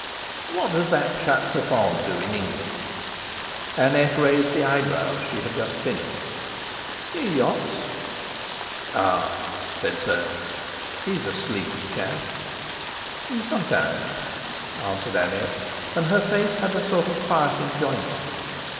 "What does that chap Profond do in England?" Annette raised the eyebrows she had just finished. "He yachts." "Ah!" said Soames; "he's a sleepy chap." "Sometimes," answered Annette, and her face had a sort of quiet enjoyment.